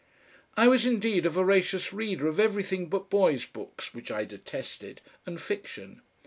I was indeed a voracious reader of everything but boys' books which I detested and fiction.